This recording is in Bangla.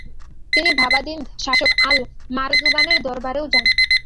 তিনি বাভান্দিদ শাসক আল- মারজুবানের দরবারেও যান।